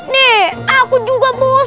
nih aku juga bosen kali